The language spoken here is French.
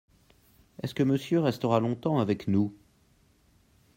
Est-ce que Monsieur restera longtemps avec nous ?